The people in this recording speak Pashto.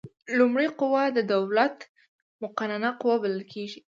لومړۍ قوه د دولت مقننه قوه بلل کیږي.